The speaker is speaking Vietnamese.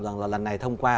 rằng là lần này thông qua